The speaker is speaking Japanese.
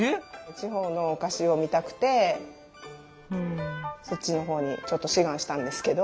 地方のお菓子を見たくてそっちのほうにちょっと志願したんですけど。